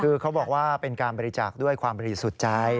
คือเขาบอกว่าเป็นการบริจาคด้วยความบริสุทธิ์ใจ